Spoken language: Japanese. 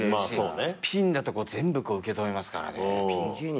ピンだと全部受け止めますからね。